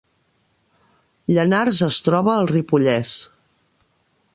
Llanars es troba al Ripollès